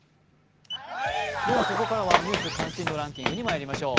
ここからは「ニュース関心度ランキング」にまいりましょう。